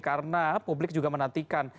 karena publik juga menantikan